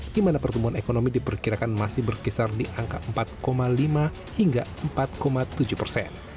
di mana pertumbuhan ekonomi diperkirakan masih berkisar di angka empat lima hingga empat tujuh persen